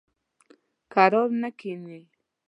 کرار نه کیني.